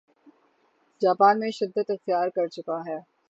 Japan میں شدت اختیار کرچکا ہے